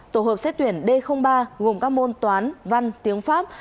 tổ hợp xét tuyển d ba gồm các môn toán văn tiếng pháp